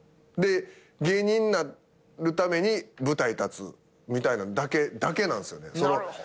で芸人なるために舞台立つみたいなんだけなんすよね。